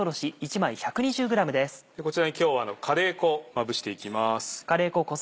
こちらに今日はカレー粉をまぶしていきます。